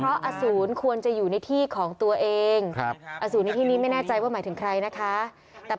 ปู่มหาหมุนีบอกว่าตัวบอยู่ในที่ของตัวเองอสูญที่นี้ไม่แน่ใจว่าตัวเองอสูญที่นี้ไม่เป็นไรหรอก